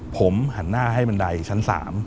ผมหันหน้าให้บันไดชั้น๓